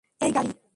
এই, গাড়ি!